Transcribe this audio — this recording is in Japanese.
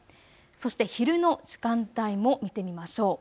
そして昼の時間帯も見てみましょう。